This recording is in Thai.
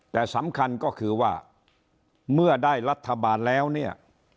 แต่สำคัญก็คือว่าเมื่อได้รัฐบาลแล้วเนี่ย